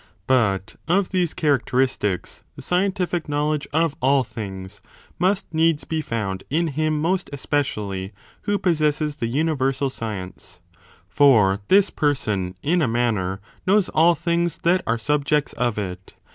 But of these characteristics the scientific know ttae appiica "^ ledge of all things must needs be found in him SJAniSonsVo ™^^* especially who possesses the universal the present Bciencc;^ for this person, in a manner, knows all •cience. things that are subjects of it.